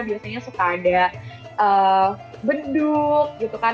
biasanya suka ada beduk gitu kan